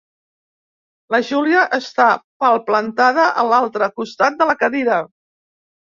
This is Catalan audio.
La Júlia està palplantada a l'altre costat de la cadira.